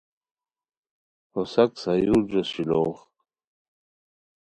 ہوساک سایورجو شیلوغ